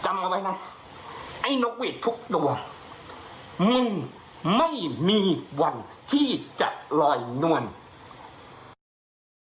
เอาไว้นะไอ้นกหวีดทุกตัวมึงไม่มีวันที่จะลอยนวล